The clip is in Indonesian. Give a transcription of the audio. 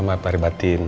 selamat tidur ada